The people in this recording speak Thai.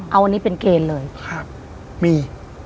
เอาอันนี้เป็นเกณฑ์เลยครับมี